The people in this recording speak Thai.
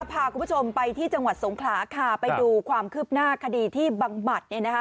พาคุณผู้ชมไปที่จังหวัดสงขลาค่ะไปดูความคืบหน้าคดีที่บังหมัดเนี่ยนะคะ